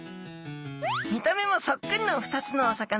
見た目もそっくりの２つのお魚。